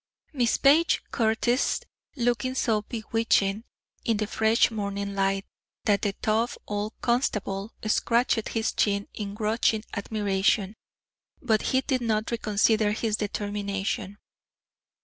Miss Page curtsied, looking so bewitching in the fresh morning light that the tough old constable scratched his chin in grudging admiration. But he did not reconsider his determination.